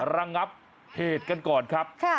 ระงับเหตุกันก่อนครับ